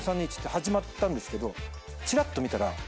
５４３２１」って始まったんですけどちらっと見たら。